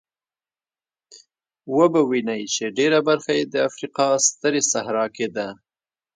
وبه وینئ چې ډېره برخه یې د افریقا سترې صحرا کې ده.